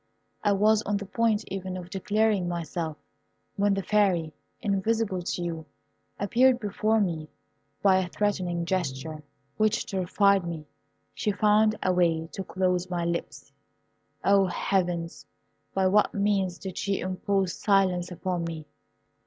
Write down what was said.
I was on the point even of declaring myself, when the Fairy, invisible to you, appeared before me. By a threatening gesture, which terrified me, she found a way to close my lips. O, heavens! by what means did she impose silence upon me?